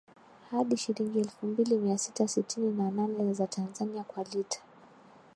hadi shilingi elfu mbili mia sita sitini na nane za Tanzania kwa lita